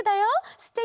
すてき！